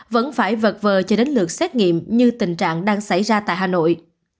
vẫn phải vật vờ cho đến lượt xét nghiệm như tình trạng đang xảy ra tại hà nội